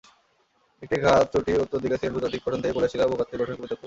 একটি ঘাত চ্যুতি উত্তর দিকে সিলেট ভূতাত্ত্বিক গঠন থেকে কৈলাস টিলা ভূতাত্ত্বিক গঠনকে পৃথক করেছে।